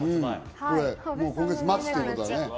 今月末ということです。